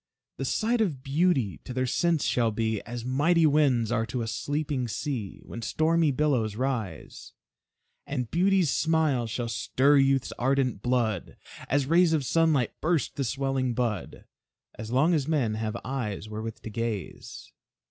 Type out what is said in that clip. The sight of beauty to their sense shall be As mighty winds are to a sleeping sea When stormy billows rise. And beauty's smile shall stir youth's ardent blood As rays of sunlight burst the swelling bud; As long as men have eyes wherewith to gaze.